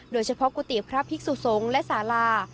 โดยเฉพาะกุฏิพระพิกษุทรงและสารา